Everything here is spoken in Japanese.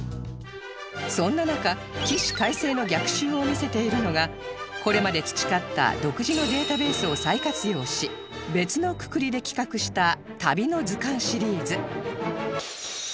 そんな中起死回生の逆襲を見せているのがこれまで培った独自のデータベースを再活用し別のくくりで企画した『旅の図鑑シリーズ』